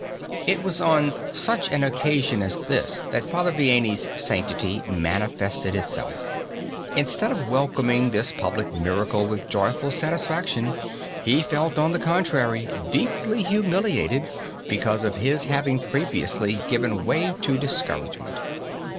It was on such an occasion as this that Father Vianney's sanctity manifested itself. Instead of welcoming this public miracle with joyful satisfaction he felt on the contrary, deeply humiliated, because of his having previously given way to discouragement.